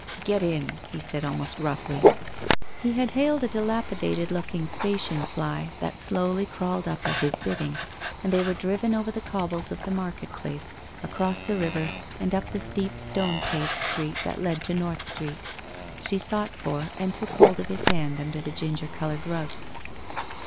'' Get in !' he said almost roughly, He had hailed a 264 WHITE ROSE OF WEARY LEAF dilapidated looking station fly that slowly crawled up at his bidding, and they were driven over the cobbles of the market place, across the river and up the steep stone paved street that led to North Street. She sought for, and took hold of his hand under the ginger coloured rug.